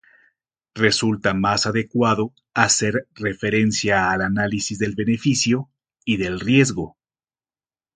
Resulta más adecuado hacer referencia al análisis del beneficio y del riesgo.